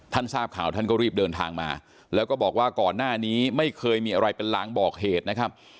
ทราบข่าวท่านก็รีบเดินทางมาแล้วก็บอกว่าก่อนหน้านี้ไม่เคยมีอะไรเป็นลางบอกเหตุนะครับ